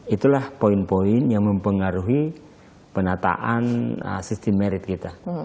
itulah poin poin yang mempengaruhi penataan sistem merit kita